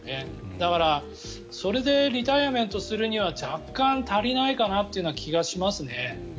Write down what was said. だから、それでリタイアメントするには若干足りないかなという気はしますね。